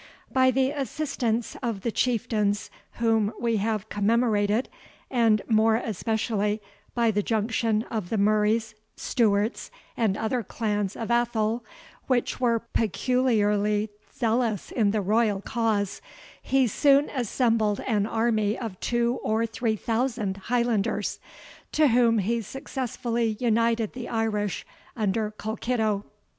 By the assistance of the chieftains whom we have commemorated, and more especially by the junction of the Murrays, Stewarts, and other clans of Athole, which were peculiarly zealous in the royal cause, he soon assembled an army of two or three thousand Highlanders, to whom he successfully united the Irish under Colkitto.